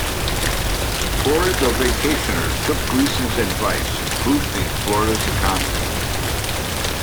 Hordes of vacationers took Gleason's advice, boosting Florida's economy.